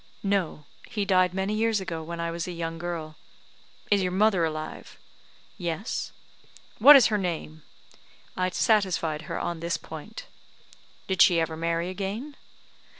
"No; he died many years ago, when I was a young girl." "Is your mother alive?" "Yes." "What is her name?" I satisfied her on this point. "Did she ever marry again?"